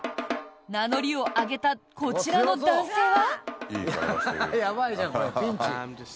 名乗りを上げたこちらの男性は？